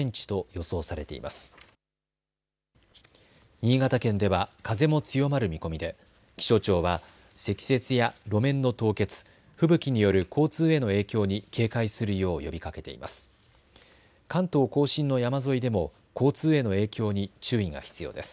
新潟県では風も強まる見込みで気象庁は積雪や路面の凍結、吹雪による交通への影響に警戒するよう呼びかけています。